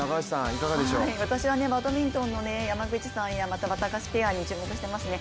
私はバドミントンの山口さんやわたがしペアに注目してますね。